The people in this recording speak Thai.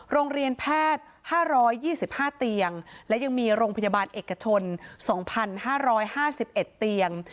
โรงเรียนแพทย์๕๒๕เตียงและยังมีโรงพยาบาลเอกชน๒๕๕๑เตียง